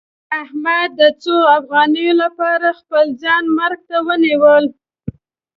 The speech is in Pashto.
احمد د څو افغانیو لپاره خپل ځان مرګ ته ونیولو.